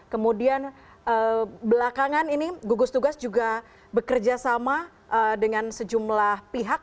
kemudian belakangan ini gugus tugas juga bekerja sama dengan sejumlah pihak